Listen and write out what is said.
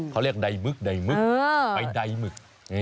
เขาเรียกใดมึกใดหมึกใบใดหมึก